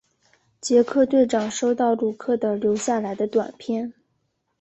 杰克队长收到鲁克的留下来的短片。